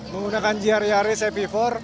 menggunakan gr yaris ep empat